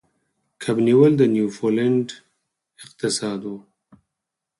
کب نیول د نیوفونډلینډ اقتصاد و.